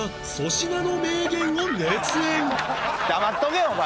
黙っとけお前！